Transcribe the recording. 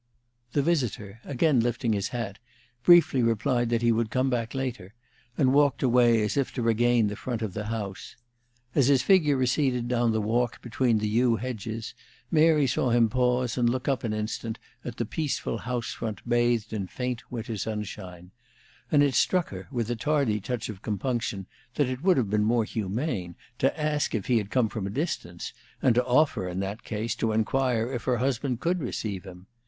The visitor, again lifting his hat, briefly replied that he would come back later, and walked away, as if to regain the front of the house. As his figure receded down the walk between the yew hedges, Mary saw him pause and look up an instant at the peaceful house front bathed in faint winter sunshine; and it struck her, with a tardy touch of compunction, that it would have been more humane to ask if he had come from a distance, and to offer, in that case, to inquire if her husband could receive him.